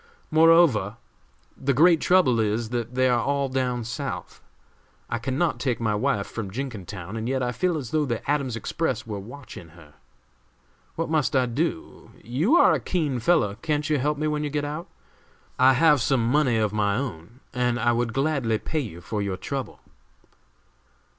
Moreover, the great trouble is, that they are all down South. I can not take my wife from Jenkintown, and yet I feel as though the Adams Express were watching her. What must I do? You are a keen fellow; can't you help me when you get out? I have some money of my own, and I would gladly pay you for your trouble."